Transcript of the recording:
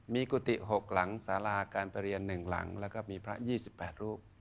มีกุฏิหกหลังสาราการเปรียนหนึ่งหลังแล้วก็มีพระยี่สิบแปดรูป